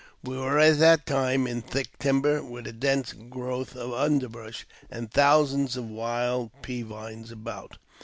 We were at that time in thick timber, with a dense growth of underbrush, and thousands of wild pea vines about.